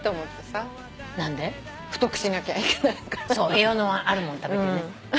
栄養のあるもん食べてね。